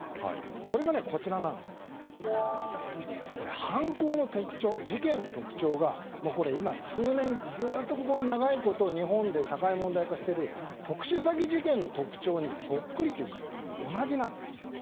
それが、犯行、事件の特徴がもう、ここ数年ずっと長いこと日本で社会問題化している特殊詐欺事件の特徴にそっくりというか同じなんですよ。